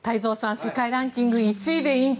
世界ランキング１位で引退。